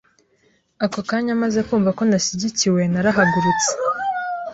Ako kanya maze kumva ko ntashyigikiwe narahagurutse